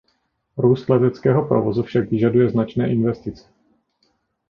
Růst leteckého provozu však vyžaduje značné investice.